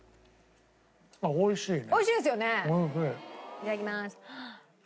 いただきます。